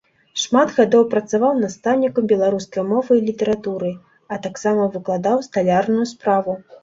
Шмат гадоў працаваў настаўнікам беларускай мовы і літаратуры, а таксама выкладаў сталярную справу.